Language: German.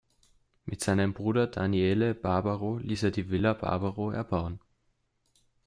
Mit seinem Bruder Daniele Barbaro ließ er die Villa Barbaro erbauen.